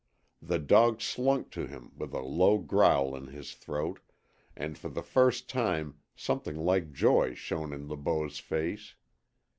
The dog slunk to him with a low growl in his throat, and for the first time something like joy shone in Le Beau's face.